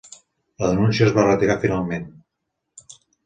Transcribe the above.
La denúncia es va retirar finalment.